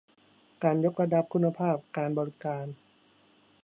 การยกระดับคุณภาพการบริการ